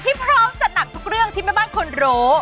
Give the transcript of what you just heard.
พร้อมจัดหนักทุกเรื่องที่แม่บ้านควรรู้